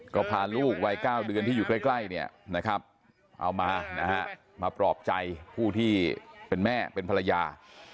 ก็พาลูกวัย๙เดือนที่อยู่ใกล้เอามามาปรอบใจผู้ที่เป็นแม่เป็นภรรยา